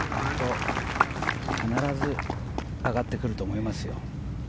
必ず上がってくると思いますよ。